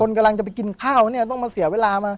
กำลังจะไปกินข้าวเนี่ยต้องมาเสียเวลามา